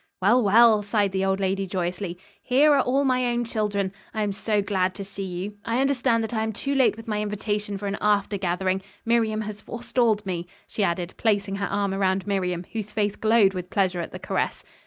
"Well, well," sighed the old lady joyously, "here are all my own children. I am so glad to see you. I understand that I am too late with my invitation for an after gathering. Miriam has forestalled me," she added, placing her arm around Miriam, whose face glowed with pleasure at the caress.